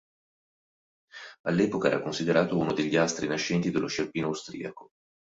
All'epoca era considerato uno degli astri nascenti dello sci alpino austriaco.